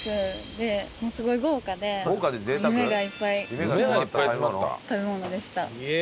夢がいっぱい詰まった食べ物でした。